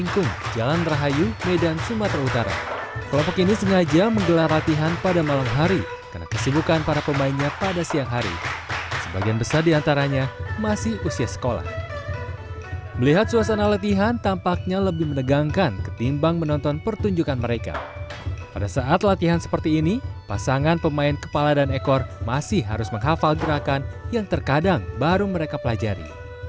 kepala dan ekor masih harus menghafal gerakan yang terkadang baru mereka pelajari